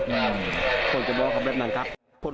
ควรจะบอกครับเรื่องนั้นครับ